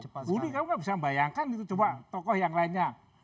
budi kamu gak bisa bayangkan itu coba tokoh yang lainnya